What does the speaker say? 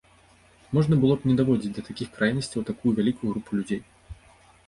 Можна ж было не даводзіць да такіх крайнасцяў такую вялікую групу людзей.